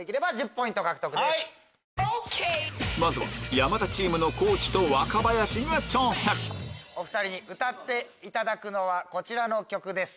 まずは山田チームのお２人に歌っていただくのはこちらの曲です。